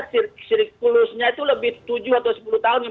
saya rasa cirikulusnya itu lebih tujuh atau sepuluh tahun